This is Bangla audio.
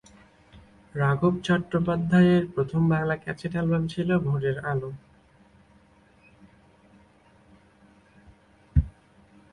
রাঘব চট্টোপাধ্যায়ের প্রথম বাংলা ক্যাসেট অ্যালবাম ছিল 'ভোরের আলো'।